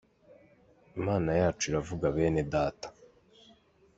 Imana yacu iravuga bene Data!.